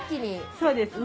そうですね。